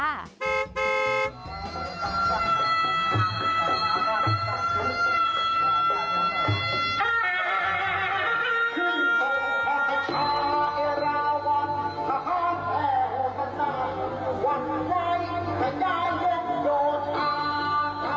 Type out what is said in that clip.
ร้องไทยร่วมงานที่คุณพบที่คุณต้องร้องวาว